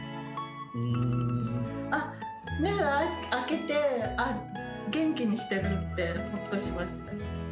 あっ、目を開けて、あっ、元気にしてるって、ほっとしました。